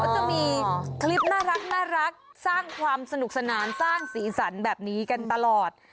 จะมีคลิปน่ารักสร้างความสนุกสนานสร้างสีสันแบบนี้กันตลอด